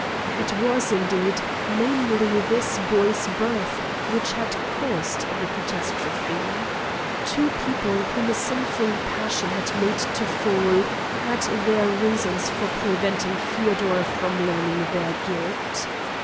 It was, indeed, mainly this boy's birth which had caused the catastrophe. Two people whom a sinful passion had made to fall had their reasons for preventing Feodor from learning their guilt.